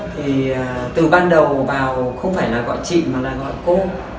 thì từ ban đầu vào không phải là gọi chị mà là gọi cô